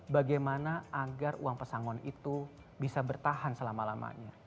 bagaimana agar uang pesangon itu bisa bertahan selama lamanya